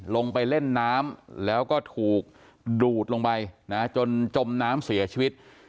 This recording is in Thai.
ลงไปเล่นน้ำแล้วก็ถูกดูดลงไปนะจนจมน้ำเสียชีวิต